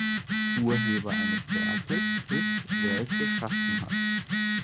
Urheber eines Werkes ist, wer es geschaffen hat.